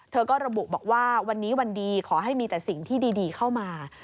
ก็ระบุบอกว่าวันนี้วันดีขอให้มีแต่สิ่งที่ดีเข้ามา